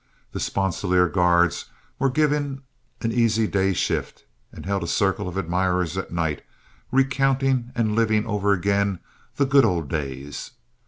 The Sponsilier Guards were given an easy day shift, and held a circle of admirers at night, recounting and living over again "the good old days."